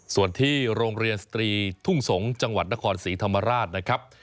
ส่วนที่โรงเรียนสตรีทุ่งสงศ์จังหวัดนครศรีธรรมราชนะครับ